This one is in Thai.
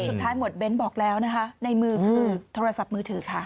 หมวดเบ้นบอกแล้วนะคะในมือคือโทรศัพท์มือถือค่ะ